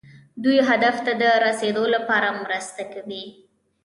دوی هدف ته د رسیدو لپاره مرسته کوي.